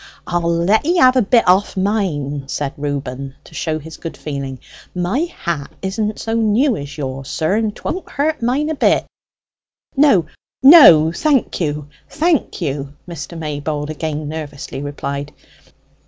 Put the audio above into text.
"I'll let 'ee have a bit off mine," said Reuben, to show his good feeling; "my hat isn't so new as yours, sir, and 'twon't hurt mine a bit." "No, no; thank you, thank you," Mr. Maybold again nervously replied.